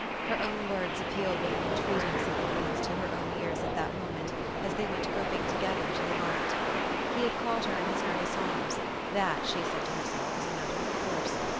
Her own words appealed with an entreating sig nificance to her own ears at that moment as they went groping together to the light. He had caught her in his nervous arms ; that, she said to herself, was a matter of course.